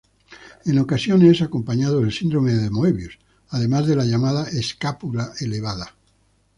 En ocasiones, es acompañado del Síndrome de Möbius, además de la llamada "escápula elevada".